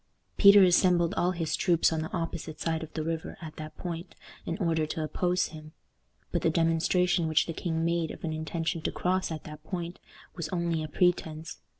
Peter assembled all his troops on the opposite side of the river at that point in order to oppose him. But the demonstration which the king made of an intention to cross at that point was only a pretense.